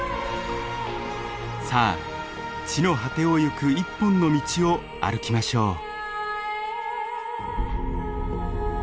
さあ地の果てをゆく一本の道を歩きましょう。